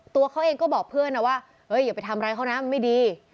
ตัวเขาเองก็บอกเพื่อนนะว่าอย่าไปทำร้ายเขานะมันไม่ดี